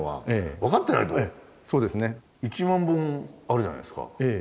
１万本あるじゃないですか。